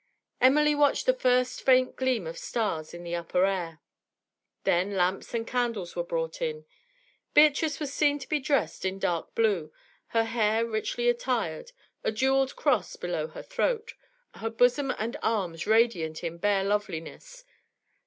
Emily watched the first faint gleam of stars in the upper air. Then lamps and candles were brought in. Beatrice was seen to be dressed in dark blue, her hair richly attired, a jewelled cross below her throat, her bosom and arms radiant in bare loveliness.